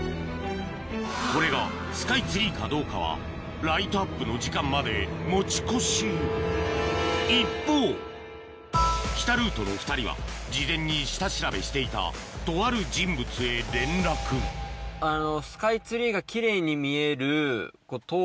これがスカイツリーかどうかはライトアップの時間まで持ち越し一方北ルートの２人は事前に下調べしていたとある人物へ連絡あの。